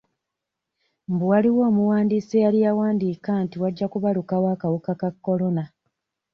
Mbu waliwo omuwandiisi eyali yawandiika nti wajja kubalukawo akawuka aka Corona.